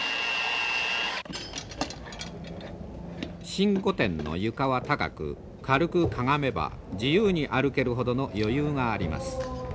新御殿の床は高く軽くかがめば自由に歩けるほどの余裕があります。